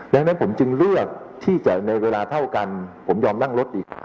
ดังนั้นผมจึงเลือกที่จะในเวลาเท่ากันผมยอมนั่งรถอีก